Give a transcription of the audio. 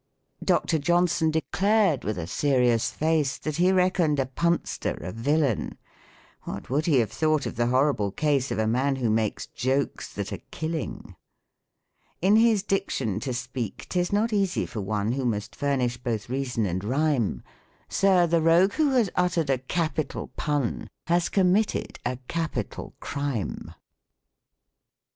"Dr. Johnson declared, with a serious face, That he reckoned a punster a villain : W xiat would he have thought of the horrible case Of a man who makes jokes that are killing ?" In his diction to speak 'tis not easy for one Who must furnish both reason and rhyme : PROSODY. 109 "Sir, the rogue who has uttcr'd a capital pun, Has committed a capital crime.'